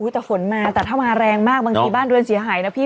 แต่ถ้าวาแรงมากบางทีบ้านดูสิหายนะพี่